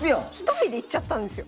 １人で行っちゃったんですよ。